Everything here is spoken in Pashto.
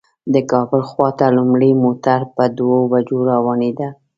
د کابل خواته لومړی موټر په دوو بجو روانېده.